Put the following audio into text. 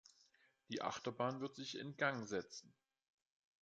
Die Achterbahn wird sich in Gang setzen.